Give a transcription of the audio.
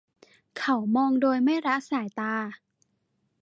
เขามองโดยไม่ละสายตา